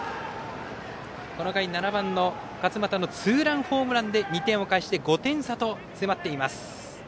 この回、７番の勝股のツーランホームランで２点を返して５点差と詰まっています。